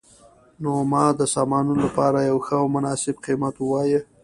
نو ما د سامانونو لپاره یو ښه او مناسب قیمت وواایه